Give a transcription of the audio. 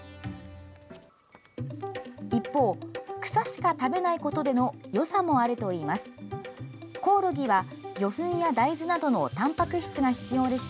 一方、草しか食べないことでのよさもあるといいます。